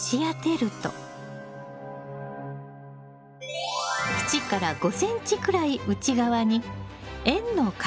縁から５ｃｍくらい内側に円の形ができるのよ。